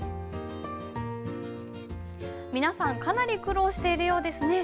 皆さんかなり苦労しているようですね。